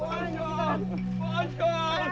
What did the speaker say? bagaimana si cebolnik